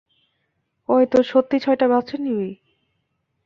ওই, তোর সত্যি ছয়টা বাচ্চা নিবি?